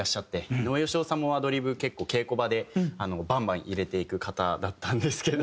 井上芳雄さんもアドリブ結構稽古場でバンバン入れていく方だったんですけど